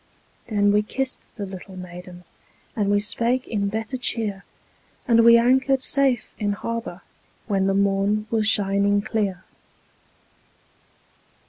Then we kissed the little maiden, And we spake in better cheer, And we anchored safe in harbor When the morn was shining clear.